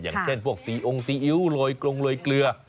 อย่างเช่นพวกซีองซีอิ๊วโรยกลงโรยเกลือ